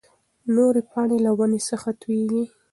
نورې پاڼې له ونې څخه تويېږي.